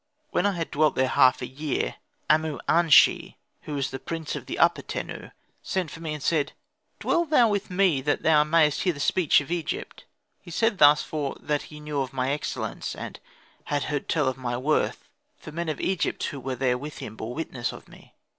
When I had dwelt there half a year Amu an shi who is the prince of the Upper Tenu sent for me and said: "Dwell thou with me that thou mayest hear the speech of Egypt." He said thus for that he knew of my excellence, and had heard tell of my worth, for men of Egypt who were there with him bore witness of me.